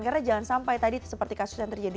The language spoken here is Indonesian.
karena jangan sampai tadi seperti kasus yang terjadi